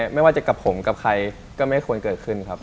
ไม่ว่าจะกับผมกับใครก็ไม่ควรเกิดขึ้นครับ